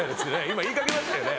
今言いかけましたよね。